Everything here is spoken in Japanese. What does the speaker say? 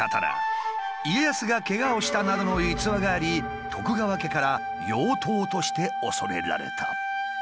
家康がけがをしたなどの逸話があり徳川家から妖刀として恐れられた。